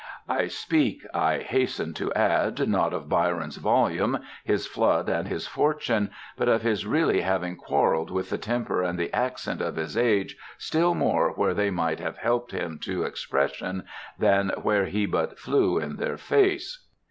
I speak, I hasten to add, not of Byron's volume, his flood and his fortune, but of his really having quarrelled with the temper and the accent of his age still more where they might have helped him to expression than where he but flew in their face.